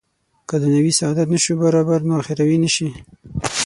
که دنیوي سعادت نه شو برابر نو اخروي نه شي.